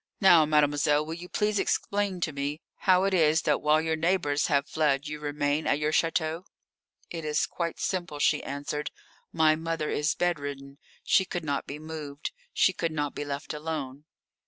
"Now, mademoiselle, will you please explain to me how it is that while your neighbours have fled you remain at your château?" "It is quite simple," she answered. "My mother is bed ridden. She could not be moved. She could not be left alone."